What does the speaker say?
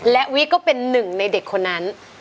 และวิก็เป็นหนึ่งในเด็กคนนั้น